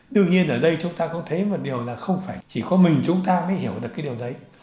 đương nhiên ở đây chúng ta cũng thấy một điều là không phải chỉ có mình chúng ta mới hiểu được cái điều đấy